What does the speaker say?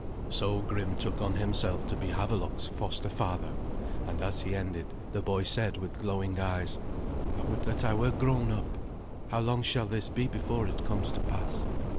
So Grim took on himself to be Havelok's foster father, and, as he ended, the boy said with glowing eyes, "I would that I were grown up. How long shall this be before it comes to pass?"